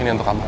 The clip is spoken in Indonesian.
ini untuk kamu